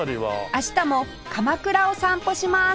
明日も鎌倉を散歩します